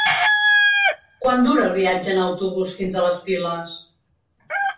Quant dura el viatge en autobús fins a les Piles?